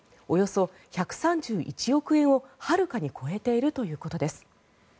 およそ１３１億円をはるかに超えているということです。